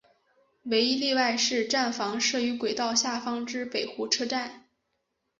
唯一例外是站房设于轨道下方之北湖车站。